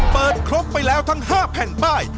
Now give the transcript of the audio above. เปิดครบไปแล้วทั้ง๕แผ่นป้าย